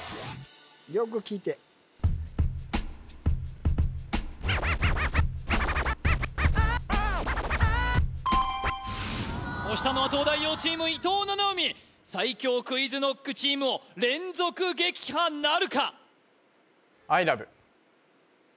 よく聴いて押したのは東大王チーム伊藤七海最強ＱｕｉｚＫｎｏｃｋチームを連続撃破なるか？